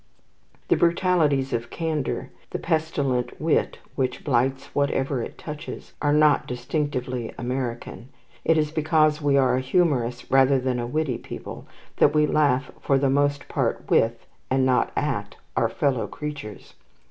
The brutalities of candour, the pestilent wit which blights whatever it touches, are not distinctively American. It is because we are a humorous rather than a witty people that we laugh for the most part with, and not at, our fellow creatures.